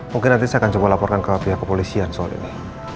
mungkin nanti saya akan coba laporkan ke pihak kepolisian soal ini